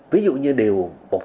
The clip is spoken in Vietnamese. ví dụ như điều một trăm năm mươi năm